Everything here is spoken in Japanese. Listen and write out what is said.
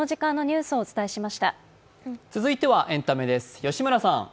続いてはエンタメです。